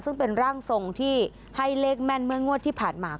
ซึ่งเป็นร่างทรงที่ให้เลขแม่นเมื่องวดที่ผ่านมา